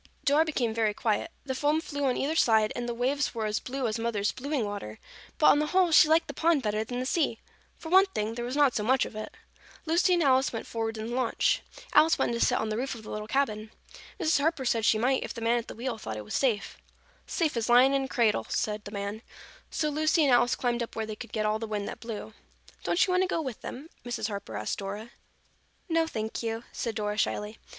Dora became very quiet. The foam flew on either side, and the waves were as blue as Mother's blueing water, but on the whole she liked the pond better than the sea. For one thing, there was not so much of it. Lucy and Alice went forward in the launch. Alice wanted to sit on the roof of the little cabin. Mrs. Harper said she might if the man at the wheel thought it was safe. "Safe as lying in a cradle," said the man, so Lucy and Alice climbed up where they could get all the wind that blew. "Don't you want to go with them?" Mrs. Harper asked Dora. "No, thank you," said Dora shyly.